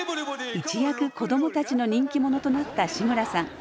一躍子供たちの人気者となった志村さん。